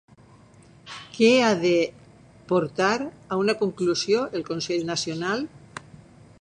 Què ha de portar a una conclusió el Consell Nacional?